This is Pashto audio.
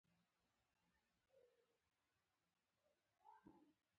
د فیوډالي مناسباتو له منځه وړل پکې شامل و.